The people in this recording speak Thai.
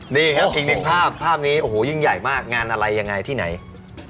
นี่ครับพิกัดภาพภาพนี้๑๙๙๔ยุคเท่าไหร่ยิ่งใหญ่ไหนอีก